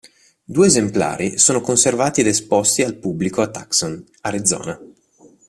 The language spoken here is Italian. Due esemplari sono conservati ed esposti al pubblico a Tucson, Arizona